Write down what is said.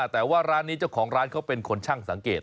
แต่ว่าร้านนี้เจ้าของร้านเขาเป็นคนช่างสังเกต